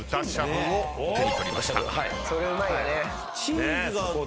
それうまいよね。